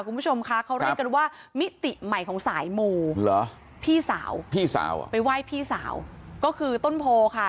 คุณผู้ชมคะเขาเรียกกันว่ามิติใหม่ของสายหมู่เหรอพี่สาวพี่สาวเหรอไปไหว้พี่สาวก็คือต้นโพค่ะ